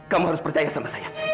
kamu harus percaya sama saya